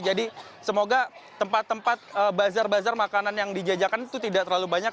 jadi semoga tempat tempat bazar bazar makanan yang dijajahkan itu tidak terlalu banyak